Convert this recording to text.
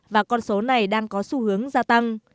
và con số này đang có xu hướng gia tăng